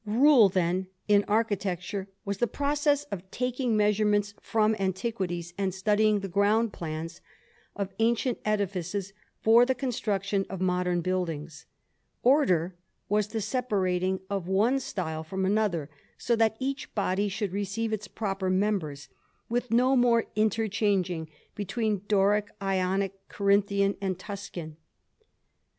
Rule, then, in architecture, was the process of taking measurements from antiquities and studying the ground plans of ancient edifices for the construction of modern buildings. Order was the separating of one style from another, so that each body should receive its proper members, with no more interchanging between Doric, Ionic, Corinthian, and Tuscan.